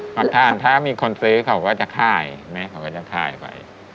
ประธานถ้ามีคนซื้อเขาก็จะค่ายแม่เขาก็จะค่ายไป